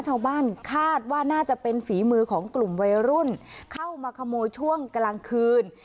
ชาวบ้านคาดว่าน่าจะเป็นฝีมือของกลุ่มวัยรุ่นเข้ามาขโมยช่วงกลางคืน